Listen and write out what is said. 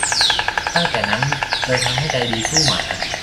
ตั้งแต่นั้นเลยทำใจดีสู้หมา